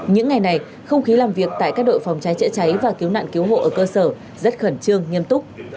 những ngày này không khí làm việc tại các đội phòng cháy chữa cháy và cứu nạn cứu hộ ở cơ sở rất khẩn trương nghiêm túc